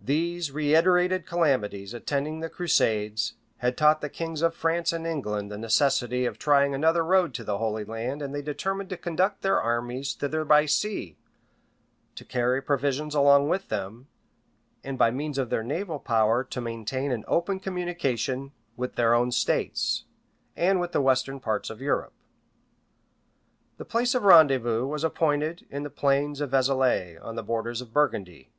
These reiterated calamities attending the crusades, had taught the kings of France and England the necessity of trying another road to the Holy Land and they determined to conduct their armies thither by sea, to carry provisions along with them, and by means of their naval power to maintain an open communication with then own states, and with the western parts of Europe. The place of rendezvous was appointed in the plains of Vezelay, on the borders of Burgundy.